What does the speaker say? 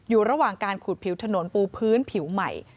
อยู่ระหว่างการขูดผิวถนนปูพื้นผิวใหม่